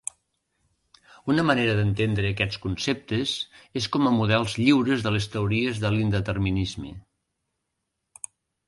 Una manera d'entendre aquests conceptes és com a models lliures de les teories de l'indeterminisme.